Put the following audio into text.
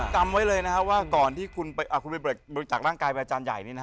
จำไว้เลยนะครับว่าก่อนที่คุณไปบริจาคร่างกายไปอาจารย์ใหญ่